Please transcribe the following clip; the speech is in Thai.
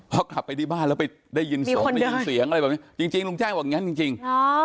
พอขับไปที่บ้านแล้วไปได้ยินเสียงจริงลุงแจ้งบอกอย่างนั้นจริง